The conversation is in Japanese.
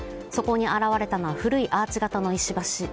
そこに現れたのは古いアーチ型の石橋。